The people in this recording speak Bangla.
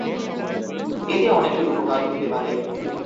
এতে অনেকের উপকার হতে পারে।